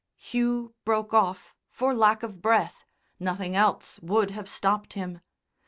Hugh broke off for lack of breath, nothing else would have stopped him.